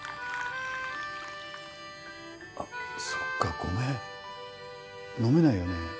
あっそっかごめん飲めないよね